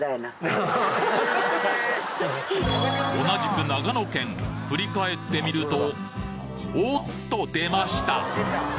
同じく長野県振り返ってみるとおっと出ました！